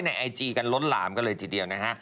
ได้ไอจี่นั่นลดลำก็เลยทีเดียวนะฮะ